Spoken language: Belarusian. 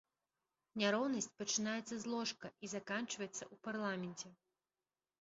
Няроўнасць пачынаецца з ложка і заканчваецца ў парламенце.